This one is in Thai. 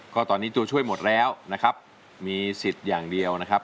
ก็ตอนนี้ตัวช่วยหมดแล้วนะครับมีสิทธิ์อย่างเดียวนะครับ